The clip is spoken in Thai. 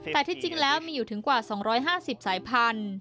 แต่ที่จริงแล้วมีอยู่ถึงกว่า๒๕๐สายพันธุ์